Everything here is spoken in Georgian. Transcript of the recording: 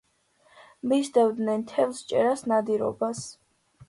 მისდევდნენ თევზჭერას, ნადირობას.